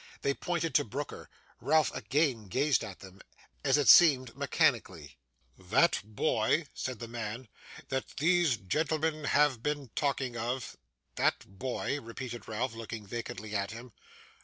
They pointed to Brooker. Ralph again gazed at him: as it seemed mechanically. 'That boy,' said the man, 'that these gentlemen have been talking of ' 'That boy,' repeated Ralph, looking vacantly at him.